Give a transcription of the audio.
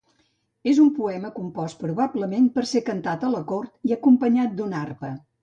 És un poema compost probablement per ser cantat a la cort i acompanyat d'una arpa.